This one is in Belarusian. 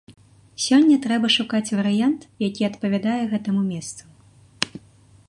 Сёння трэба шукаць варыянт, які адпавядае гэтаму месцу.